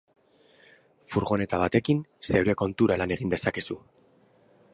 Furgoneta batekin zeure kontura lan egin dezakezu.